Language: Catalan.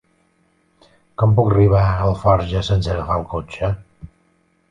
Com puc arribar a Alforja sense agafar el cotxe?